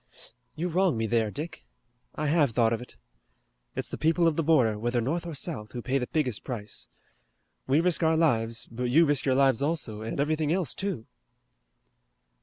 "You wrong me there, Dick. I have thought of it. It's the people of the border, whether North or South, who pay the biggest price. We risk our lives, but you risk your lives also, and everything else, too."